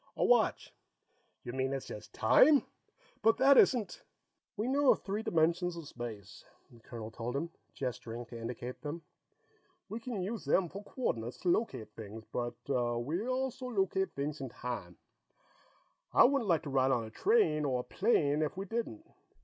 A watch." "You mean it's just time? But that isn't " "We know of three dimensions of space," the colonel told him, gesturing to indicate them. "We can use them for coordinates to locate things, but we also locate things in time. I wouldn't like to ride on a train or a plane if we didn't.